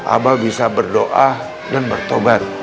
abah bisa berdoa dan bertobat